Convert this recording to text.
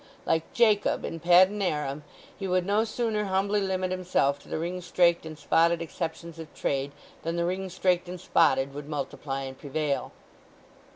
Like Jacob in Padan Aram, he would no sooner humbly limit himself to the ringstraked and spotted exceptions of trade than the ringstraked and spotted would multiply and prevail.